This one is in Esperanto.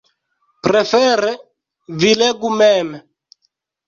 Prefere, vi legu mem.